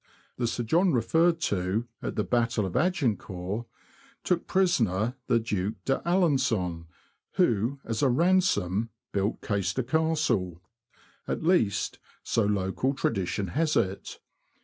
The Sir John referred to. at the battle of Agincourt, took prisoner the Duke d'Alen9on, who, as a ransom, built Caister Castle ; at least, so local tradition has it.